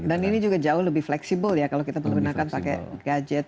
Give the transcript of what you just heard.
dan ini juga jauh lebih fleksibel ya kalau kita menggunakan pakai gadget